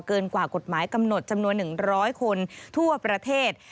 กว่ากฎหมายกำหนดจำนวน๑๐๐คนทั่วประเทศ